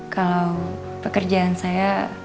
kalau pekerjaan saya